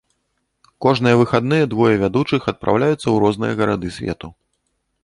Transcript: Кожныя выхадныя двое вядучых адпраўляюцца ў розныя гарады свету.